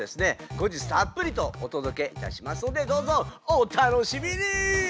後日たっぷりとおとどけいたしますのでどうぞお楽しみに！